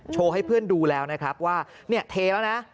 ให้เพื่อนดูแล้วนะครับว่าเนี่ยเทแล้วนะ